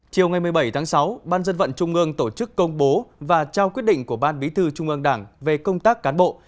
chiều ngày một mươi bảy tháng sáu ban dân vận trung ương tổ chức công bố và trao quyết định của ban bí thư trung ương đảng về công tác cán bộ